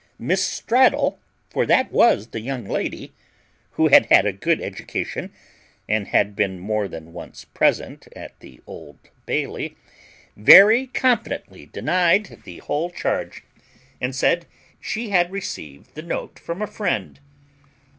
Miss Straddle, for that was the young lady, who had had a good education, and had been more than once present at the Old Bailey, very confidently denied the whole charge, and said she had received the note from a friend.